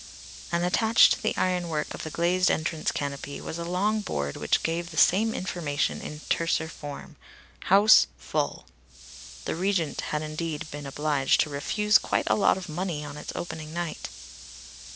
And attached to the ironwork of the glazed entrance canopy was a long board which gave the same information in terser form: "House Full." The Regent had indeed been obliged to refuse quite a lot of money on its opening night.